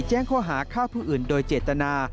แจ้งข้อหาฆ่าผู้อื่นโดยเจตนา